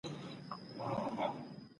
ـ نه آشه ښه ده نه ګله دوي د وخوري يو د بله.